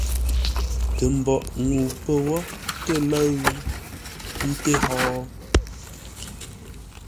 Tə mboʼ ŋuu pə̂ wó tə́ lə̂ʉ? Ńté hó?